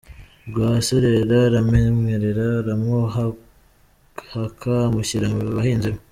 Rwaserera aramwemerera aramuhaka amushyira mu bahinzi be.